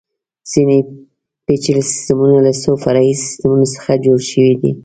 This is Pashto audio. ځینې پېچلي سیسټمونه له څو فرعي سیسټمونو څخه جوړ شوي دي.